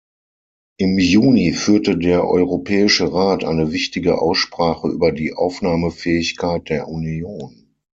Im Juni führte der Europäische Rat eine wichtige Aussprache über die Aufnahmefähigkeit der Union.